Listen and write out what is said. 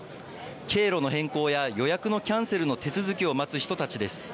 経路の変更や予約のキャンセルの手続きを待つ人たちです。